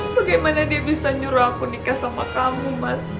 bagaimana dia bisa nyuruh aku nikah sama kamu mas